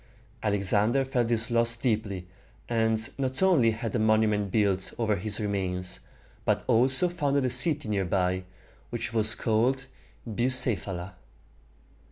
Alexander felt this loss deeply, and not only had a monument built over his remains, but also founded a city near by, which was called Bu ceph´a la.